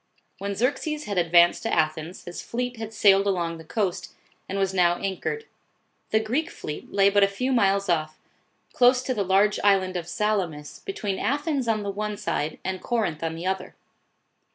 When Xerxes had advanced to Athens, his fleet had sailed along the coast, and was now anchored. The Greek fleet lay but a few miles off, close to the large island of Salamis, between Athens on the one side and Corinth on the other.